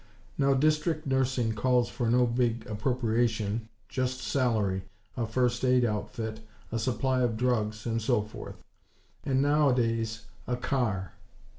Now District Nursing calls for no big appropriation; just salary, a first aid outfit, a supply of drugs and so forth; and, now a days, a car.